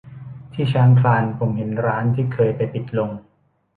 ที่ช้างคลานผมเห็นร้านที่เคยไปปิดลง